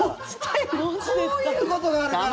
こういうことがあるから。